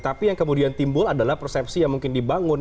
tapi yang kemudian timbul adalah persepsi yang mungkin dibangun